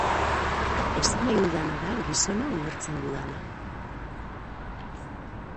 Esan nahi dudana da gizona ulertzen dudala.